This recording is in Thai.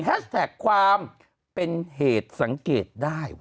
แท็กความเป็นเหตุสังเกตได้